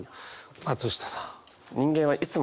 松下さん。